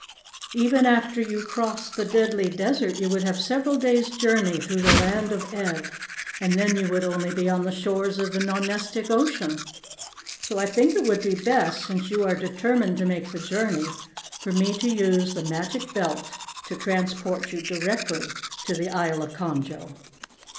"Even after you crossed the Deadly Desert, you would have several days' journey through the Land of Ev, and then you would only be on the shores of the Nonestic Ocean. So, I think it would be best, since you are determined to make the journey, for me to use the Magic Belt to transport you directly to the Isle of Conjo."